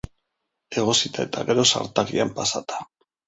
Egosita eta gero zartagian pasata.